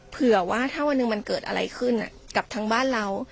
เผื่อว่าถ้าวันหนึ่งมันเกิดอะไรขึ้นกับทั้งบ้านเรา